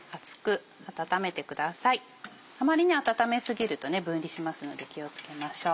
あまり温め過ぎると分離しますので気を付けましょう。